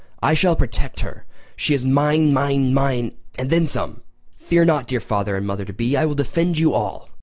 I shall protect her—she is mine, mine, mine—and then some! Fear not, dear father and mother to be—I will defend you all!